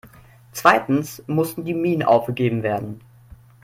Zweitens mussten die Minen aufgegeben werden.